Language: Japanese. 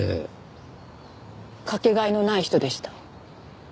かけがえのない人でした。